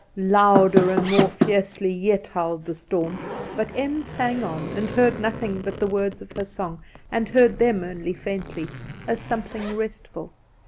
Louder and more fiercely yet howled the storm; but Em sang on, and heard nothing but the words of her song, and heard them only faintly, as something restful.